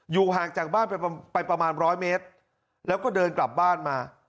ห่างจากบ้านไปประมาณร้อยเมตรแล้วก็เดินกลับบ้านมา